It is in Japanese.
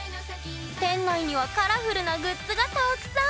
店内にはカラフルなグッズがたくさん！